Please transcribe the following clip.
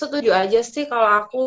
setuju aja sih kalau aku